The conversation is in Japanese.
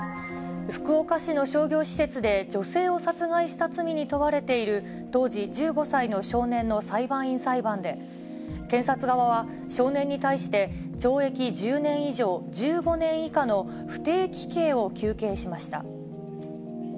福岡市の商業施設で女性を殺害した罪に問われている、当時１５歳の少年の裁判員裁判で、検察側は少年に対して、懲役１０年以上１５年以下の不定期刑を求刑しました。